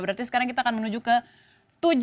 berarti sekarang kita akan menuju ke tujuh yaitu